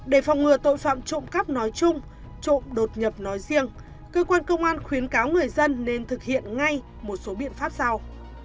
để phòng ngừa tội phạm trộm cắp nói chung trộm đột nhập nói riêng cơ quan công an khuyến cáo người dân nên thực hiện ngay một số biện pháp sau